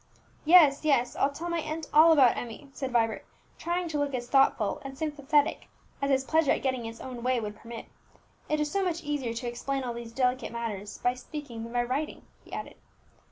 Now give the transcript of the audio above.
"Yes, yes, I'll tell my aunt all about Emmie," said Vibert, trying to look as thoughtful and sympathetic as his pleasure at getting his own way would permit. "It is so much easier to explain all these delicate matters by speaking than by writing," he added.